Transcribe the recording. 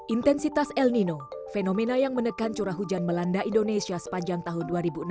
intensitas el nino fenomena yang menekan curah hujan melanda indonesia sepanjang tahun dua ribu enam belas